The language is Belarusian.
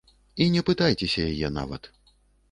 І не пытайцеся яе нават.